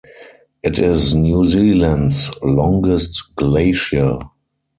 It is New Zealand's longest glacier.